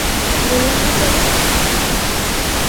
বললাম না, চলো!